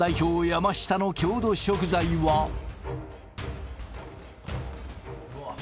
山下の郷土食材はえっ？